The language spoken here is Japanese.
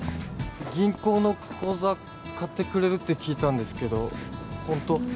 銀行の口座買ってくれるって聞いたんですけどほんと？